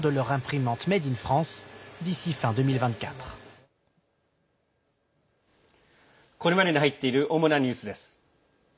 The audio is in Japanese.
これまでに入っている世界の放送局の主なニュースです。